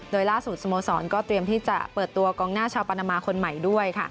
โดยล่าสุดสโมสรก็เตรียมที่จะเปิดตัวกองหน้าชาวปานามาคนใหม่ด้วย